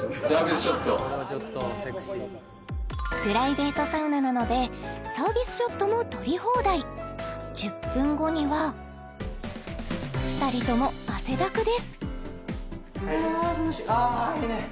ショットプライベートサウナなのでサービスショットも撮り放題１０分後には２人とも汗だくですはあ涼しいああいいね